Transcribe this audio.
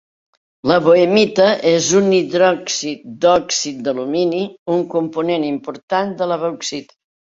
La boehmita és un hidròxid d'òxid d'alumini, un component important de la bauxita.